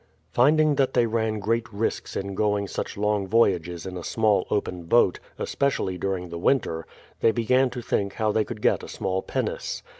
Finding that they ran great risks in going such long voy ages in a small open boat, especially during the winter, they began to think how they could get a small pinnace.